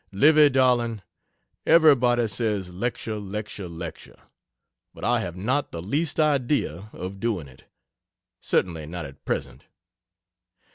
Livy, darling, everybody says lecture lecture lecture but I have not the least idea of doing it certainly not at present.